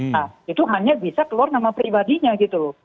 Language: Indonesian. nah itu hanya bisa keluar nama pribadinya gitu loh